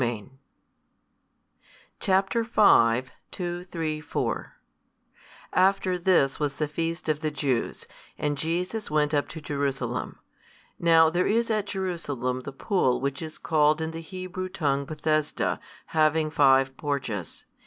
|235 Chap. v.2, 3, 4 After this was the feast of the Jews, and Jesus went up to Jerusalem. Now there is at Jerusalem the pool which is called in the Hebrew tongue Bethesda, having five porches.